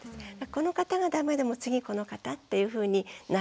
この方が駄目でも次この方っていうふうになれるということですね。